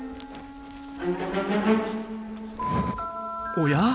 おや？